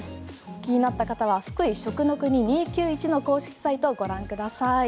気になった方はふくい食の國２９１の公式サイトをご覧ください。